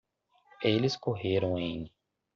Eles correram em